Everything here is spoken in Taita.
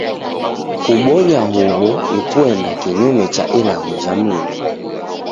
Kubonya huw'o ni kuenda kinyume cha ilagho ja Mlungu.